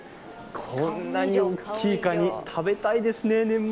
こんなに大きいかに、食べたいですね、年末。